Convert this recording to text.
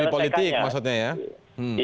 lobby politik maksudnya ya